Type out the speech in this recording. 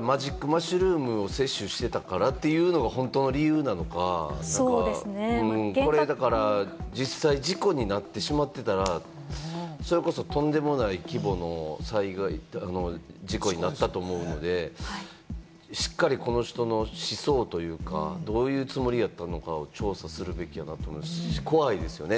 マジックマッシュルームを摂取してたからというのが本当の理由なのか、実際、事故になってしまってたら、それこそとんでもない規模の災害、事故になったと思うんで、しっかりこの人の思想というか、どういうつもりやったんかを調査するべきやなと思いますし、怖いですよね。